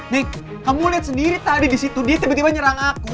nih kamu lihat sendiri tadi di situ dia tiba tiba nyerang aku